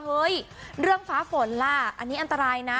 เฮ้ยเรื่องฟ้าฝนล่ะอันนี้อันตรายนะ